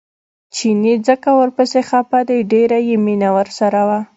چیني ځکه ورپسې خپه دی ډېره یې مینه ورسره وه.